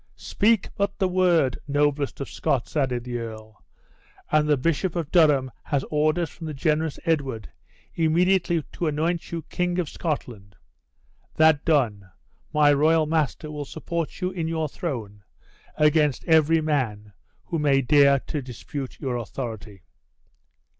Speak but the word, noblest of Scots," added the earl, "and the bishop of Durham has orders from the generous Edward immediately to anoint you king of Scotland that done, my royal master will support you in your throne against every man who may dare in dispute your authority."